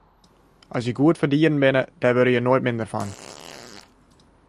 As je goed foar dieren binne, dêr wurde je noait minder fan.